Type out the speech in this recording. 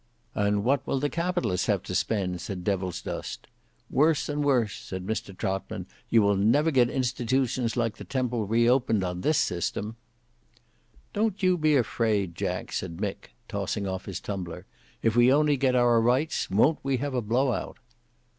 "And what will the Capitalists have to spend?" said Devilsdust. "Worse and worse," said Mr Trotman, "you will never get institutions like the Temple re opened on this system." "Don't you be afraid Jack," said Mick, tossing off his tumbler; "if we only get our rights, won't we have a blowout!"